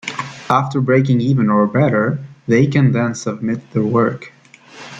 After breaking even or better, they can then submit their work.